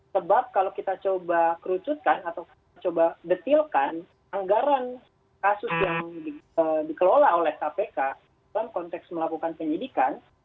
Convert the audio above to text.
sebab kalau kita coba kerucutkan atau kita coba detilkan anggaran kasus yang dikelola oleh kpk dalam konteks melakukan penyidikan